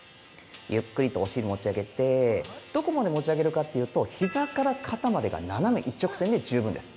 ゆっくりとお尻、持ち上げて、どこまで持ち上げるかというとひざから肩までが斜め一直線で十分です。